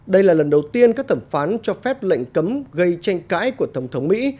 đây là lần đầu tiên các thẩm phán cho phép lệnh cấm gây tranh cãi của tổng thống mỹ